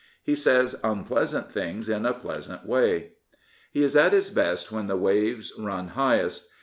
He says unpleasant things in a pleasant way. He is at his best when the waves run highest.